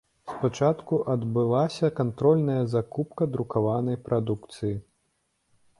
Спачатку адбылася кантрольная закупка друкаванай прадукцыі.